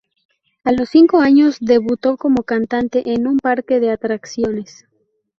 A los cinco años debutó como cantante en un parque de atracciones.